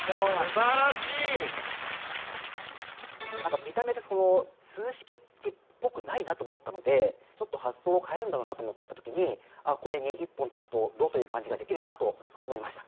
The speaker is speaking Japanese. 素晴らしい何か見た目でその数式っぽくないなと思ったのでちょっと発想を変えるんだろうなと思った時にこれに一本足すと「呂」という漢字ができるなと思いました